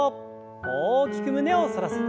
大きく胸を反らせて。